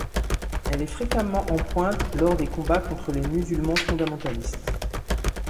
Elle est fréquemment en pointe lors des combats contre les musulmans fondamentalistes.